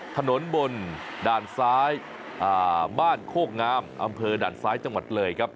ถนนบนด่านซ้ายบ้านโคกงามอำเภอด่านซ้ายจังหวัดเลยครับ